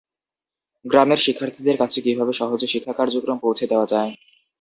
গ্রামের শিক্ষার্থীদের কাছে কীভাবে সহজে শিক্ষাকার্যক্রম পৌঁছে দেওয়া যায়।